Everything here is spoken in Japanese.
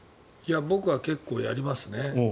僕は結構やりますね。